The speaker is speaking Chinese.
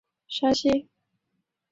陕西西安人。